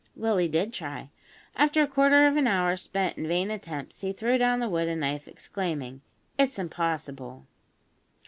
Willie did try; after a quarter of an hour spent in vain attempts, he threw down the wood and knife exclaiming, "It's impossible."